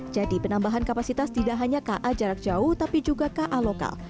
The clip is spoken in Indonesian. jadi penambahan kapasitas tidak hanya ka jarak jauh tapi juga ka lokal